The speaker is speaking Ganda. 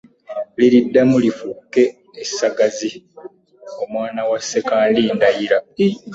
Liriddamu lifuuke essagazi omwan wa Ssekandi ndayira .